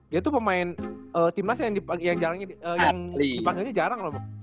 dia tuh pemain timnas yang dipanggilnya jarang lho